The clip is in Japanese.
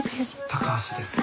高橋です。